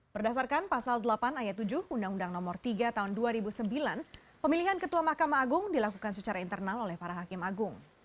berdasarkan pasal delapan ayat tujuh undang undang nomor tiga tahun dua ribu sembilan pemilihan ketua mahkamah agung dilakukan secara internal oleh para hakim agung